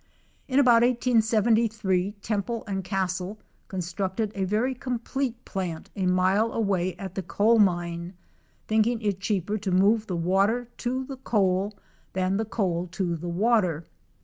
In about 1873 Temple and Castle constructed a very complete plant a mile away at the coal mine, thinking it cheaper to move the water to the coal than the coal to the water.